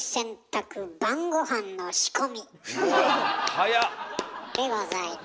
早っ！でございます。